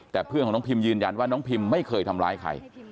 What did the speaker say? แต่เพื่อนของน้องพิมยืนยันว่าน้องพิมไม่เคยทำร้ายใคร